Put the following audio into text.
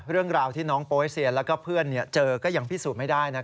เรื่องราวที่น้องโป๊เซียนแล้วก็เพื่อนเจอก็ยังพิสูจน์ไม่ได้